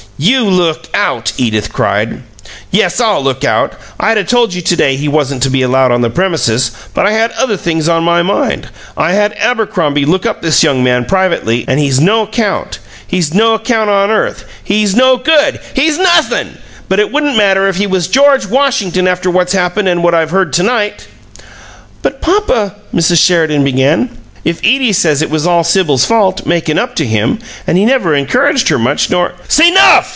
"You look out!" Edith cried. "Yes, I'll look out! I'd 'a' told you to day he wasn't to be allowed on the premises, but I had other things on my mind. I had Abercrombie look up this young man privately, and he's no 'count. He's no 'count on earth! He's no good! He's NOTHIN'! But it wouldn't matter if he was George Washington, after what's happened and what I've heard to night!" "But, papa," Mrs. Sheridan began, "if Edie says it was all Sibyl's fault, makin' up to him, and he never encouraged her much, nor " "'S enough!"